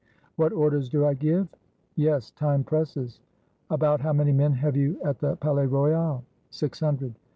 "What orders do I give?" "Yes; time presses." "About how many men have you at the Palais Royal?" "Six hundred."